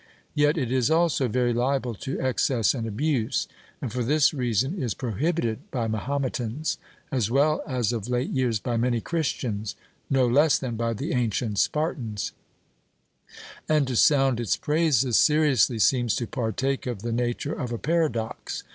Yet it is also very liable to excess and abuse, and for this reason is prohibited by Mahometans, as well as of late years by many Christians, no less than by the ancient Spartans; and to sound its praises seriously seems to partake of the nature of a paradox.